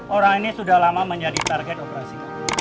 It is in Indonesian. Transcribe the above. orang ini sudah lama menjadi target operasi